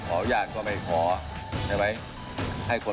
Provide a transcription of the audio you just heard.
ก็จับคุมอะไรก็ทำลายร่างกาย